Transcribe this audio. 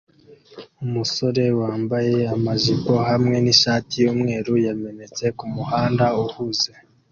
Umusore wambaye amajipo hamwe nishati yumweru yamenetse kumuhanda uhuze